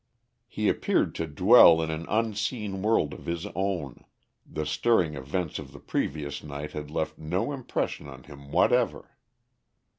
He appeared to dwell in an unseen world of his own; the stirring events of the previous night had left no impression on him whatever.